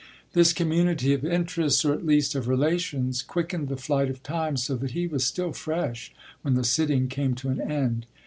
This community of interests, or at least of relations, quickened the flight of time, so that he was still fresh when the sitting came to an end.